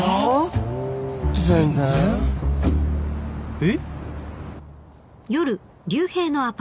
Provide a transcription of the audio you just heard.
えっ？